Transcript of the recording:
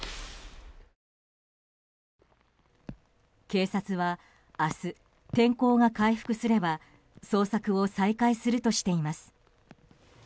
警察は明日、天候が回復すれば捜索を再開するとしています。